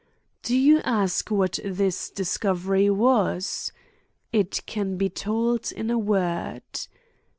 Do you ask what this discovery was? It can be told in a word.